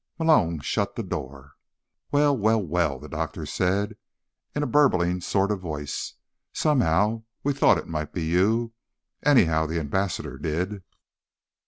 Malone shut the door. "Well, well, well," the doctor said, in a burbling sort of voice. "Somehow, we thought it might be you. Anyhow, the ambassador did."